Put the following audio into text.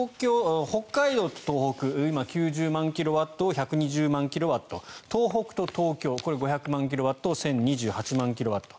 北海道と東北は今、９０万キロワット１２０万キロワット東北と東京５００万キロワットを１０２８万キロワット